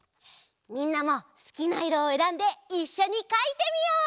みんなもすきないろをえらんでいっしょにかいてみよう！